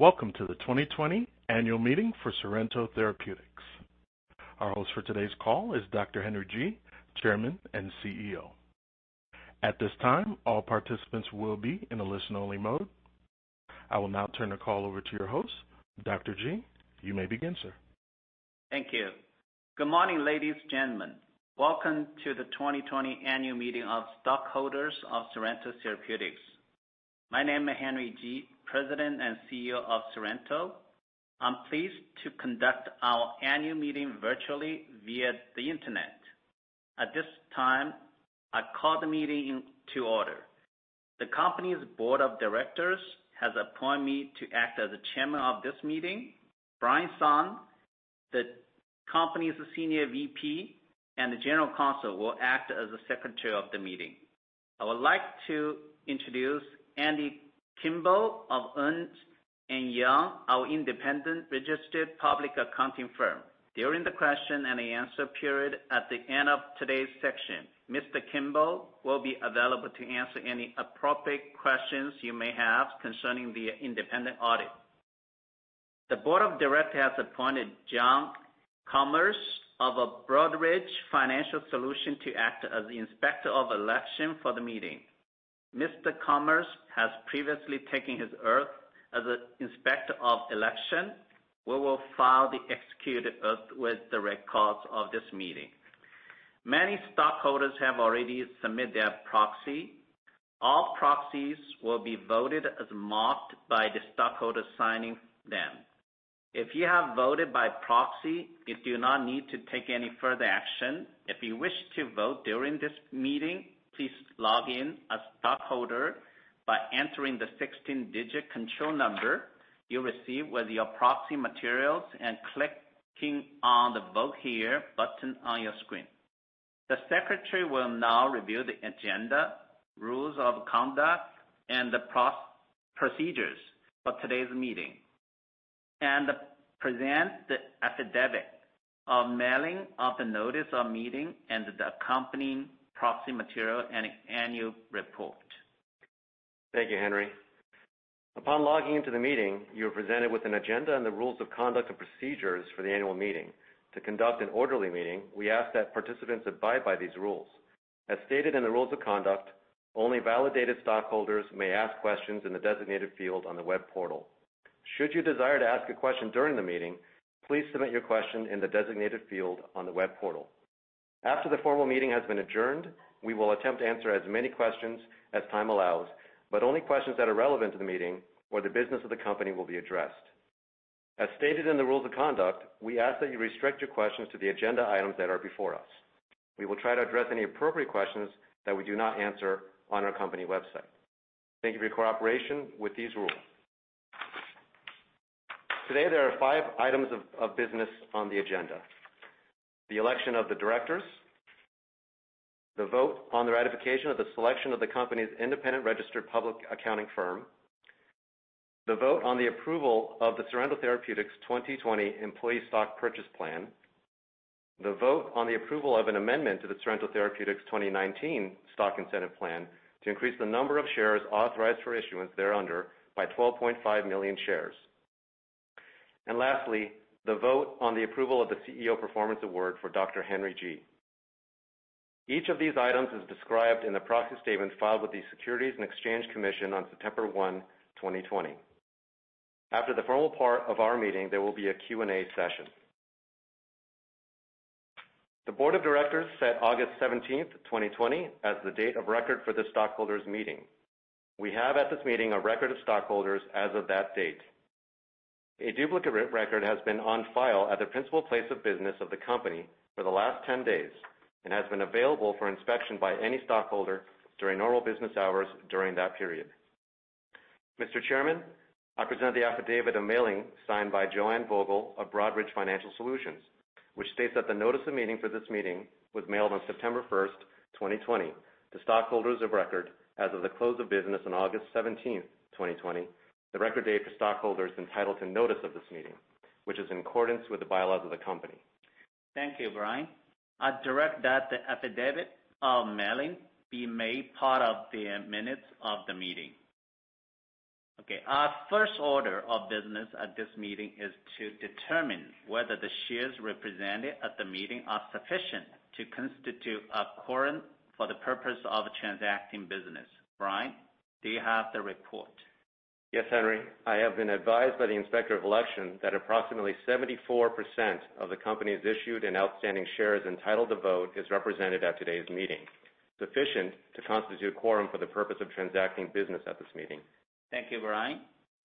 Welcome to the 2020 Annual Meeting for Sorrento Therapeutics. Our host for today's call is Dr. Henry Ji, Chairman and CEO. At this time, all participants will be in a listen-only mode. I will now turn the call over to your host, Dr. Ji. You may begin, sir. Thank you. Good morning, ladies and gentlemen. Welcome to the 2020 Annual Meeting of stockholders of Sorrento Therapeutics. My name is Henry Ji, President and CEO of Sorrento. I'm pleased to conduct our Annual Meeting virtually via the Internet. At this time, I call the meeting to order. The company's Board of Directors has appointed me to act as the Chairman of this meeting. Brian Sun, the company's Senior VP and General Counsel, will act as the Secretary of the meeting. I would like to introduce Andy Kimball of Ernst & Young, our independent registered public accounting firm. During the question and answer period at the end of today's session, Mr. Kimball will be available to answer any appropriate questions you may have concerning the independent audit. The Board of Directors has appointed John Kommers of Broadridge Financial Solutions to act as the Inspector of Election for the meeting. Mr. Kommers has previously taken his oath as an Inspector of Election. We will file the executed oath with the records of this meeting. Many stockholders have already submitted their proxy. All proxies will be voted as marked by the stockholders signing them. If you have voted by proxy, you do not need to take any further action. If you wish to vote during this meeting, please log in as a stockholder by entering the 16-digit control number you received with your proxy materials and clicking on the Vote Here button on your screen. The Secretary will now review the agenda, rules of conduct, and the procedures for today's meeting, and present the affidavit of mailing of the notice of meeting and the accompanying proxy material and annual report. Thank you, Henry. Upon logging into the meeting, you are presented with an agenda and the rules of conduct and procedures for the annual meeting. To conduct an orderly meeting, we ask that participants abide by these rules. As stated in the rules of conduct, only validated stockholders may ask questions in the designated field on the web portal. Should you desire to ask a question during the meeting, please submit your question in the designated field on the web portal. After the formal meeting has been adjourned, we will attempt to answer as many questions as time allows, but only questions that are relevant to the meeting or the business of the company will be addressed. As stated in the rules of conduct, we ask that you restrict your questions to the agenda items that are before us. We will try to address any appropriate questions that we do not answer on our company website. Thank you for your cooperation with these rules. Today, there are five items of business on the agenda: the election of the directors, the vote on the ratification of the selection of the company's independent registered public accounting firm, the vote on the approval of the Sorrento Therapeutics 2020 Employee Stock Purchase Plan, the vote on the approval of an amendment to the Sorrento Therapeutics 2019 Stock Incentive Plan to increase the number of shares authorized for issuance thereunder by 12.5 million shares, and lastly, the vote on the approval of the CEO Performance Award for Dr. Henry Ji. Each of these items is described in the proxy statement filed with the Securities and Exchange Commission on September 1, 2020. After the formal part of our meeting, there will be a Q&A session. The Board of Directors set August 17, 2020, as the date of record for this stockholders' meeting. We have at this meeting a record of stockholders as of that date. A duplicate record has been on file at the principal place of business of the company for the last 10 days and has been available for inspection by any stockholder during normal business hours during that period. Mr. Chairman, I present the affidavit of mailing signed by Joanne Vogel of Broadridge Financial Solutions, which states that the notice of meeting for this meeting was mailed on September 1, 2020, to stockholders of record as of the close of business on August 17, 2020, the record date for stockholders entitled to notice of this meeting, which is in accordance with the bylaws of the company. Thank you, Brian. I direct that the affidavit of mailing be made part of the minutes of the meeting. Okay. Our first order of business at this meeting is to determine whether the shares represented at the meeting are sufficient to constitute a quorum for the purpose of transacting business. Brian, do you have the report? Yes, Henry. I have been advised by the Inspector of Election that approximately 74% of the company's issued and outstanding shares entitled to vote is represented at today's meeting. Sufficient to constitute a quorum for the purpose of transacting business at this meeting. Thank you, Brian.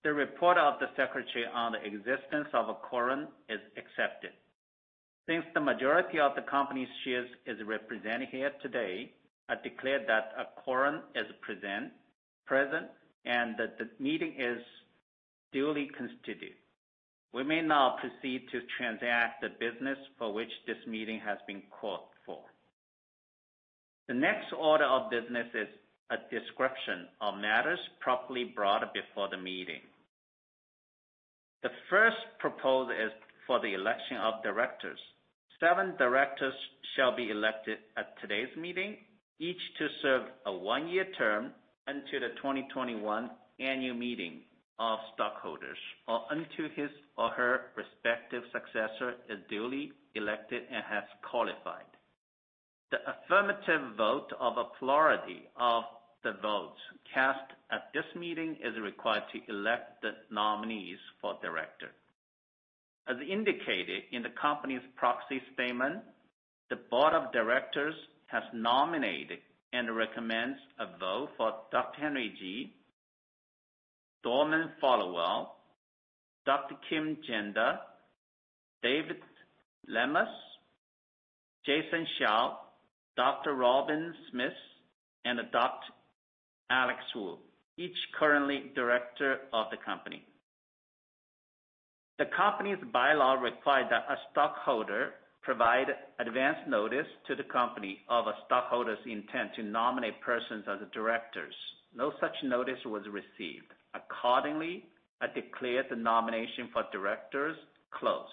The report of the Secretary on the existence of a quorum is accepted. Since the majority of the company's shares is represented here today, I declare that a quorum is present and that the meeting is duly constituted. We may now proceed to transact the business for which this meeting has been called for. The next order of business is a description of matters properly brought before the meeting. The first proposal is for the election of directors. Seven directors shall be elected at today's meeting, each to serve a one-year term until the 2021 Annual Meeting of stockholders or until his or her respective successor is duly elected and has qualified. The affirmative vote of a plurality of the votes cast at this meeting is required to elect the nominees for director. As indicated in the company's proxy statement, the Board of Directors has nominated and recommends a vote for Dr. Henry Ji, Dorman Followwill, Dr. Kim Janda, David Lemus, Jaisim Shah, Dr. Robin Smith, and Dr. Alex Wu, each currently director of the company. The company's bylaws require that a stockholder provide advance notice to the company of a stockholder's intent to nominate persons as directors. No such notice was received. Accordingly, I declare the nomination for directors closed.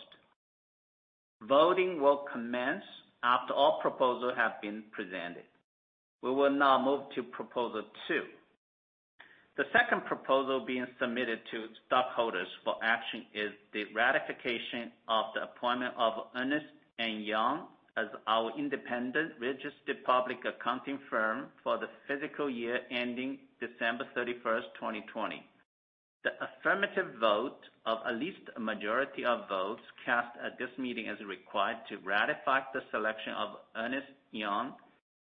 Voting will commence after all proposals have been presented. We will now move to proposal two. The second proposal being submitted to stockholders for action is the ratification of the appointment of Ernst & Young as our independent registered public accounting firm for the fiscal year ending December 31, 2020. The affirmative vote of at least a majority of votes cast at this meeting is required to ratify the selection of Ernst & Young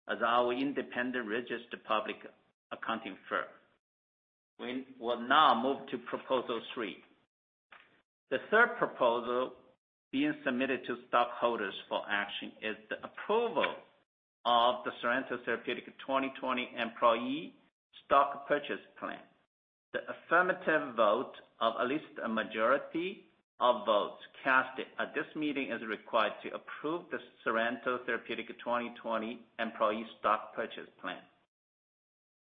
as our independent registered public accounting firm. We will now move to proposal three. The third proposal being submitted to stockholders for action is the approval of the Sorrento Therapeutics 2020 Employee Stock Purchase Plan. The affirmative vote of at least a majority of votes cast at this meeting is required to approve the Sorrento Therapeutics 2020 Employee Stock Purchase Plan.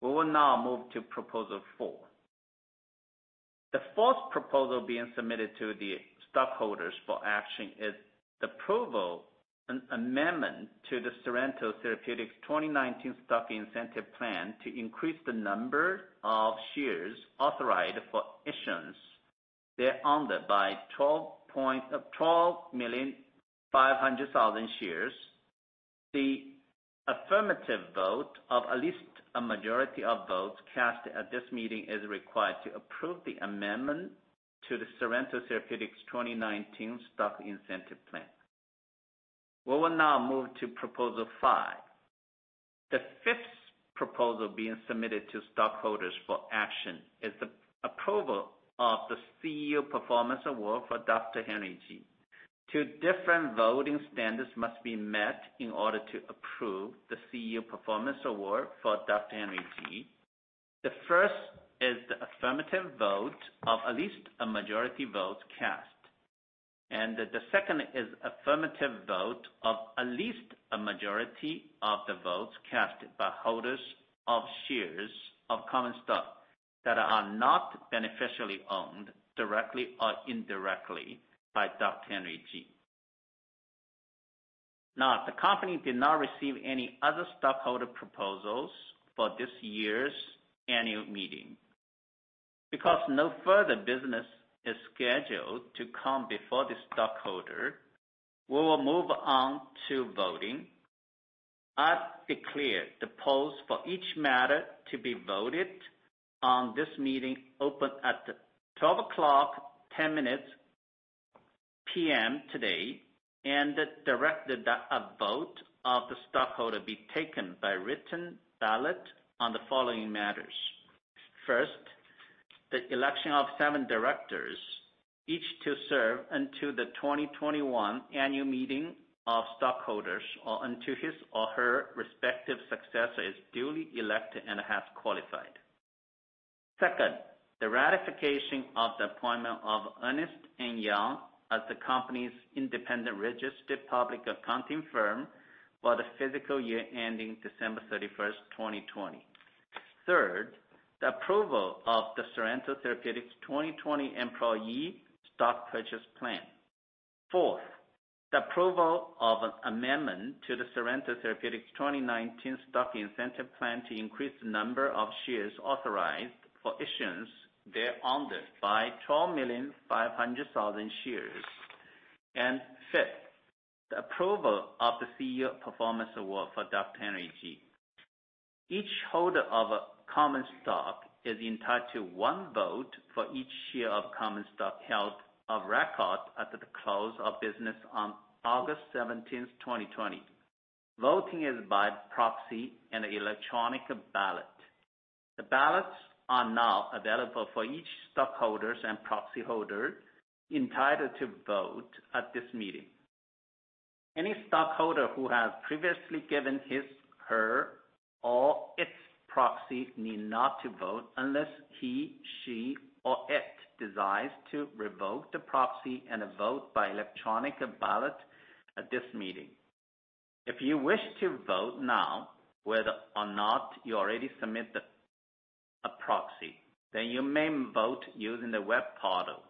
We will now move to proposal four. The fourth proposal being submitted to the stockholders for action is the approval and amendment to the Sorrento Therapeutics 2019 Stock Incentive Plan to increase the number of shares authorized for issuance thereunder by 12,500,000 shares. The affirmative vote of at least a majority of votes cast at this meeting is required to approve the amendment to the Sorrento Therapeutics 2019 Stock Incentive Plan. We will now move to proposal five. The fifth proposal being submitted to stockholders for action is the approval of the CEO Performance Award for Dr. Henry Ji. Two different voting standards must be met in order to approve the CEO Performance Award for Dr. Henry Ji. The first is the affirmative vote of at least a majority of votes cast, and the second is affirmative vote of at least a majority of the votes cast by holders of shares of common stock that are not beneficially owned directly or indirectly by Dr. Henry Ji. Now, the company did not receive any other stockholder proposals for this year's Annual Meeting. Because no further business is scheduled to come before the stockholder, we will move on to voting. I declare the polls for each matter to be voted on this meeting open at 12:10 P.M. today and directed that a vote of the stockholder be taken by written ballot on the following matters. First, the election of seven directors, each to serve until the 2021 Annual Meeting of stockholders or until his or her respective successor is duly elected and has qualified. Second, the ratification of the appointment of Ernst & Young as the company's independent registered public accounting firm for the fiscal year ending December 31, 2020. Third, the approval of the Sorrento Therapeutics 2020 Employee Stock Purchase Plan. Fourth, the approval of an amendment to the Sorrento Therapeutics 2019 Stock Incentive Plan to increase the number of shares authorized for issuance thereunder by 12,500,000 shares. Fifth, the approval of the CEO Performance Award for Dr. Henry Ji. Each holder of common stock is entitled to one vote for each share of common stock held of record at the close of business on August 17, 2020. Voting is by proxy and electronic ballot. The ballots are now available for each stockholder and proxy holder entitled to vote at this meeting. Any stockholder who has previously given his, her, or its proxy need not to vote unless he, she, or it desires to revoke the proxy and a vote by electronic ballot at this meeting. If you wish to vote now, whether or not you already submitted a proxy, then you may vote using the web portal.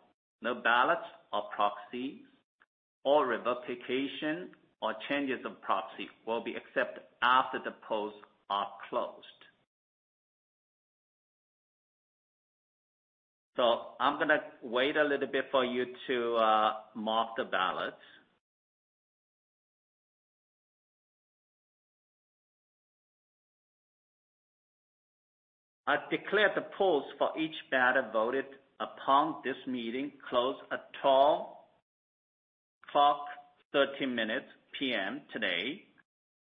No ballots or proxies or revocation or changes of proxy will be accepted after the polls are closed. So I'm going to wait a little bit for you to mark the ballots. I declare the polls for each matter voted upon this meeting close at 12:13 P.M. today,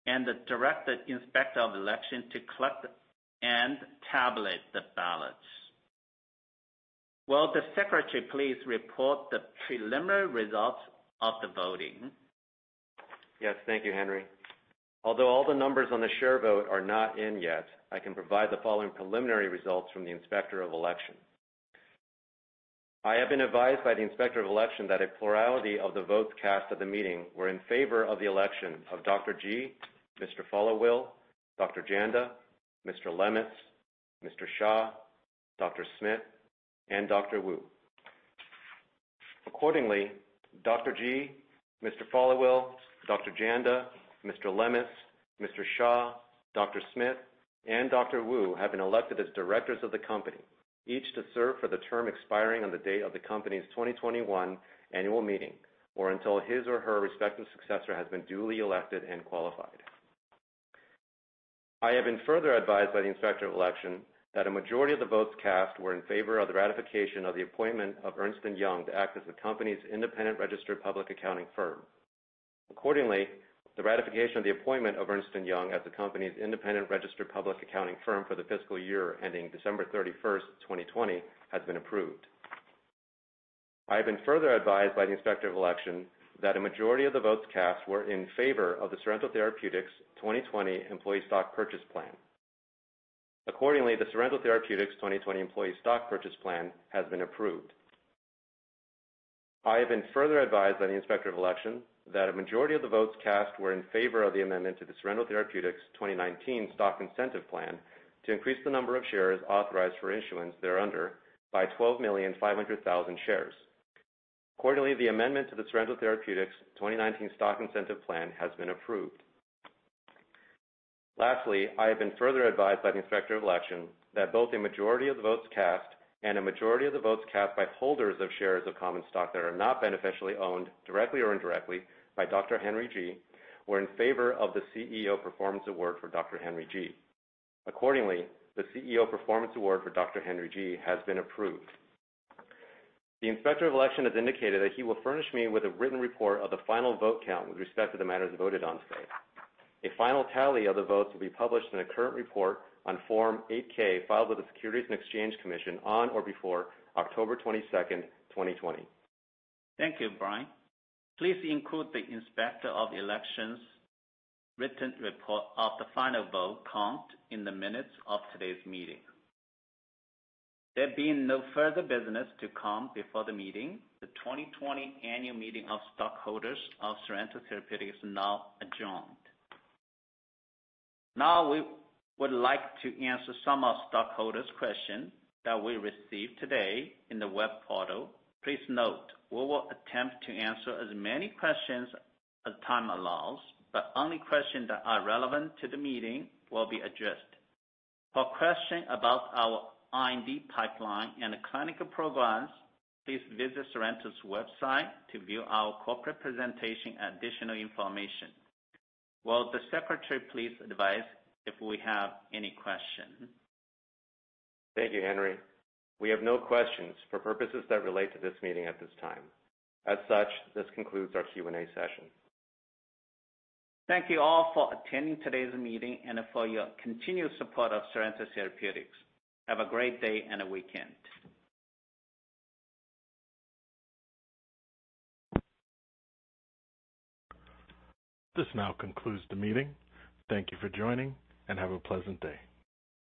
and direct the Inspector of Election to collect and tabulate the ballots. Will the Secretary please report the preliminary results of the voting? Yes, thank you, Henry. Although all the numbers on the share vote are not in yet, I can provide the following preliminary results from the Inspector of Election. I have been advised by the Inspector of Election that a plurality of the votes cast at the meeting were in favor of the election of Dr. Ji, Mr. Followwill, Dr. Janda, Mr. Lemus, Mr. Shah, Dr. Smith, and Dr. Wu. Accordingly, Dr. Ji, Mr. Followwill, Dr. Janda, Mr. Lemus, Mr. Shah, Dr. Smith, and Dr. Wu have been elected as directors of the company, each to serve for the term expiring on the date of the company's 2021 Annual Meeting or until his or her respective successor has been duly elected and qualified. I have been further advised by the Inspector of Election that a majority of the votes cast were in favor of the ratification of the appointment of Ernst & Young to act as the company's independent registered public accounting firm. Accordingly, the ratification of the appointment of Ernst & Young as the company's independent registered public accounting firm for the fiscal year ending December 31, 2020, has been approved. I have been further advised by the Inspector of Election that a majority of the votes cast were in favor of the Sorrento Therapeutics 2020 Employee Stock Purchase Plan. Accordingly, the Sorrento Therapeutics 2020 Employee Stock Purchase Plan has been approved. I have been further advised by the Inspector of Election that a majority of the votes cast were in favor of the amendment to the Sorrento Therapeutics 2019 Stock Incentive Plan to increase the number of shares authorized for issuance thereunder by 12,500,000 shares. Accordingly, the amendment to the Sorrento Therapeutics 2019 Stock Incentive Plan has been approved. Lastly, I have been further advised by the Inspector of Election that both a majority of the votes cast and a majority of the votes cast by holders of shares of common stock that are not beneficially owned directly or indirectly by Dr. Henry Ji were in favor of the CEO Performance Award for Dr. Henry Ji. Accordingly, the CEO Performance Award for Dr. Henry Ji has been approved. The Inspector of Election has indicated that he will furnish me with a written report of the final vote count with respect to the matters voted on today. A final tally of the votes will be published in a current report on Form 8-K filed with the Securities and Exchange Commission on or before October 22, 2020. Thank you, Brian. Please include the Inspector of Election's written report of the final vote count in the minutes of today's meeting. There being no further business to come before the meeting, the 2020 Annual Meeting of stockholders of Sorrento Therapeutics is now adjourned. Now, we would like to answer some of stockholders' questions that we received today in the web portal. Please note, we will attempt to answer as many questions as time allows, but only questions that are relevant to the meeting will be addressed. For questions about our R&D pipeline and the clinical programs, please visit Sorrento's website to view our corporate presentation and additional information. Will the Secretary please advise if we have any questions? Thank you, Henry. We have no questions for purposes that relate to this meeting at this time. As such, this concludes our Q&A session. Thank you all for attending today's meeting and for your continued support of Sorrento Therapeutics. Have a great day and a weekend. This now concludes the meeting. Thank you for joining and have a pleasant day.